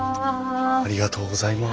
ありがとうございます。